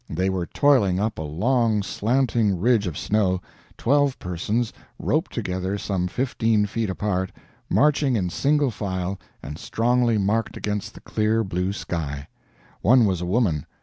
They were toiling up a long, slanting ridge of snow twelve persons, roped together some fifteen feet apart, marching in single file, and strongly marked against the clear blue sky. One was a woman.